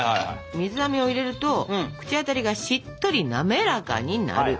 水あめを入れると口当たりがしっとりなめらかになる。